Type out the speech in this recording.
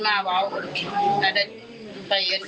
อยากให้สังคมรับรู้ด้วย